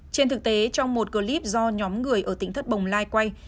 trên thực tế trong một clip do nhóm người ở tỉnh thất bồng lai quay